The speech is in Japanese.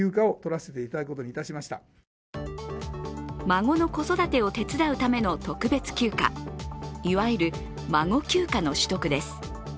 孫の育てを手伝うための特別休暇、いわゆる孫休暇の取得です。